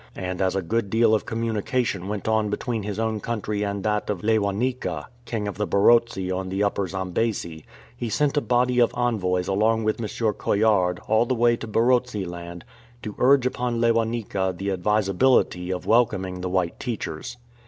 And as a good deal of communica tion went on between his own country and that of Le wanika, king of the Barotse on the Upper Zambesi, he sent a body of envoys along with M. Coillard all the way to Barotseland, to urge upon Lewanika the advisability of welcoming the white teachers.